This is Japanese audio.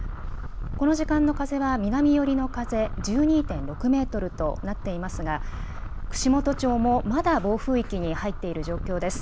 この時間の風は南寄りの風１２．６メートルとなっていますが串本町もまだ暴風域に入っている状況です。